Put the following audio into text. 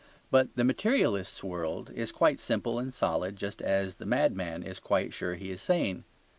But the materialist's world is quite simple and solid, just as the madman is quite sure he is sane.